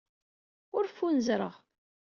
Ur ffunzreɣ.